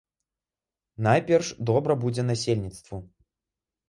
Найперш, добра будзе насельніцтву.